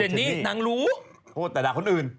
นี่นางรู้โทษแต่ด่าคนอื่น